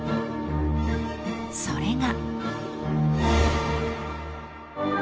［それが］